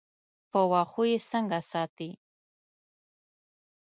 په واښو یې څنګه ساتې.